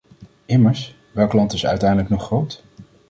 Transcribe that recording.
Immers, welk land is uiteindelijk nog groot?